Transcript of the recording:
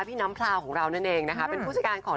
พี่น้ำพลาวของเรานั่นเองนะคะเป็นผู้จัดการของ